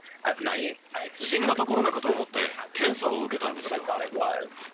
新型コロナかと思って、検査を受けたんですよ。